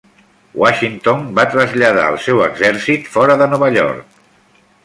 Washington va traslladar el seu exèrcit fora de Nova York.